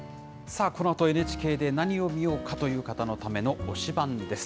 さあ、このあとＮＨＫで何を見ようかという方のための推しバンです。